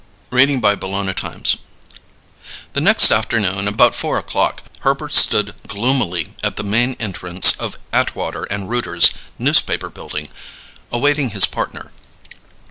CHAPTER NINETEEN The next afternoon, about four o'clock, Herbert stood gloomily at the main entrance of Atwater & Rooter's Newspaper Building awaiting his partner.